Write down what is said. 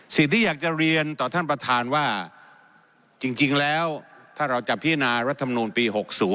สิ่งที่อยากจะเรียนต่อท่านประธานว่าจริงแล้วถ้าเราจะพินารัฐมนูลปี๖๐